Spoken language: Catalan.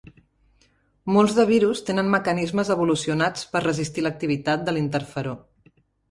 Molts de virus tenen mecanismes evolucionats per resistir l'activitat de l'interferó.